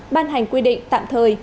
ban hành quy định tạm thời